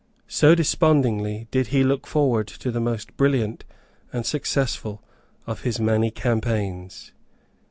So despondingly did he look forward to the most brilliant and successful of his many campaigns.